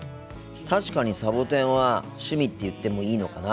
確かにサボテンは趣味って言ってもいいのかな。